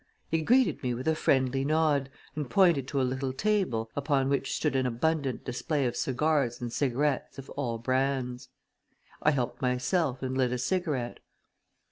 He greeted me with a friendly nod and pointed to a little table upon which stood an abundant display of cigars and cigarettes of all brands. I helped myself and lit a cigarette.